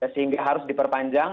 sehingga harus diperpanjang